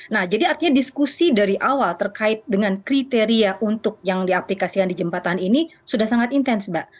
nah jadi artinya diskusi dari awal terkait dengan kriteria untuk yang diaplikasikan di jembatan ini sudah sangat intens mbak